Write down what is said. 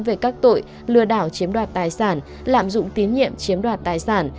về các tội lừa đảo chiếm đoạt tài sản lạm dụng tín nhiệm chiếm đoạt tài sản